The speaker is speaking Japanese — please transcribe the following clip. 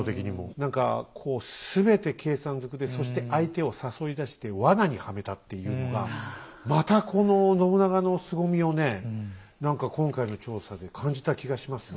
何かこう全て計算ずくでそして相手を誘い出してワナにはめたっていうのがまたこの信長のすごみをね何か今回の調査で感じた気がしますね。